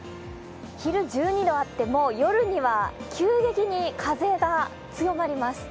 昼１２度あっても夜には急激に風が強まります。